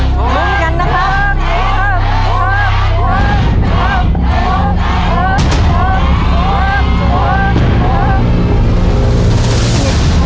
ถูกเหมือนกันนะครับ